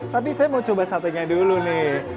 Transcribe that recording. tapi saya mau coba satenya dulu nih